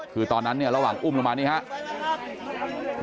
คือตอนนั้นเนี่ยระหว่างอุ้มลงมานี่ครับ